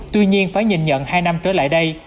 tuy nhiên phải nhìn nhận hai năm trở lại đây